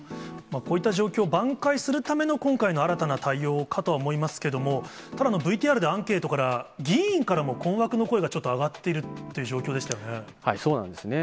こういった状況、挽回するための今回の新たな対応かとは思いますけども、ただ、ＶＴＲでアンケートが議員からも困惑の声がちょっと上がっているそうなんですね。